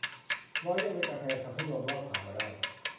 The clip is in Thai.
รอยแยกในกำแพงทำให้ลมลอดผ่านมาได้